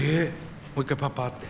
もう一回パパって。